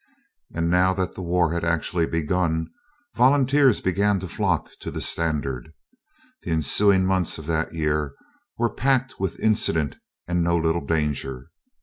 And now that war had actually begun, volunteers began to flock to the standard. The ensuing months of that year were packed with incident and no little danger.